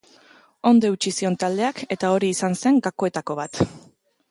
Ondo eutsi zion taldeak eta hori izan zen gakoetako bat.